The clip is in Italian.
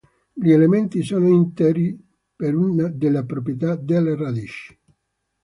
Gli elementi sono interi per una delle proprietà delle radici.